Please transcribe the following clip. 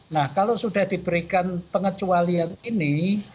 nah kalau sudah diberikan pengecualian ini